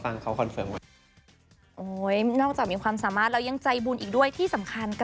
เพราะว่าเพิ่งจะสร้างบ้านหลังใหม่ที่สถานที่กับคุณพ่อ